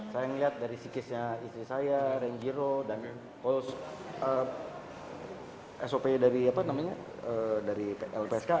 saya melihat dari psikisnya istri saya renjiro dan s o p dari lpsk